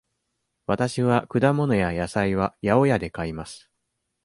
わたしは果物や野菜は八百屋で買います。